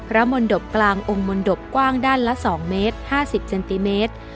มนตบกลางองค์มนตบกว้างด้านละ๒เมตร๕๐เซนติเมตร